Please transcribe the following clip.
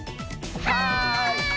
はい！